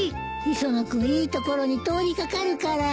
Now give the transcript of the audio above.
磯野君いいところに通り掛かるから。